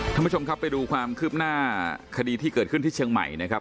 ท่านผู้ชมครับไปดูความคืบหน้าคดีที่เกิดขึ้นที่เชียงใหม่นะครับ